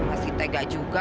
masih tega juga